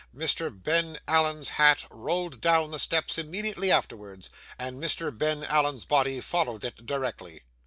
Mr. Ben Allen's hat rolled down the steps immediately afterwards, and Mr. Ben Allen's body followed it directly.